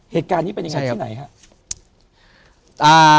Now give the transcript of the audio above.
เหตุการณ์นี้เป็นยังไงที่ไหนครับ